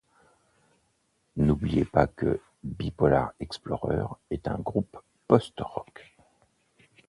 N'oubliez pas que Bipolar Explorer est un groupe post-rock.